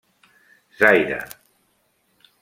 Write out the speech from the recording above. Zaire.